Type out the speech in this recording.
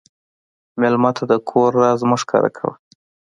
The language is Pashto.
مېلمه ته د کور راز مه ښکاره کوه.